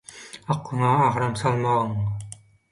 aklyňa agram salmagyň